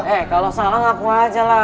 eh kalau salah ngaku aja lah